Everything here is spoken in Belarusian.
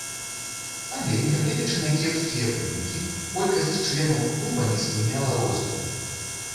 Але нягледзячы на кепскія вынікі, колькасць членаў клуба не спыняла росту.